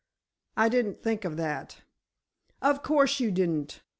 "I didn't think of that!" "Of course you didn't.